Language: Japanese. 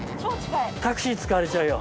タクシー使われちゃうよ。